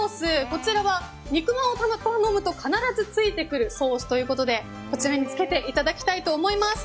こちらは肉まんを頼むと必ず付いてくるソースということでこちらに付けていただきたいと思います。